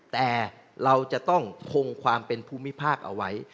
แต่เราจะต้องคงความเป็นภูมิภาคเอาไว้